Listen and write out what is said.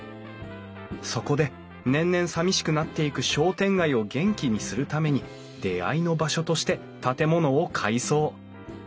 そこで年々さみしくなっていく商店街を元気にするために出会いの場所として建物を改装。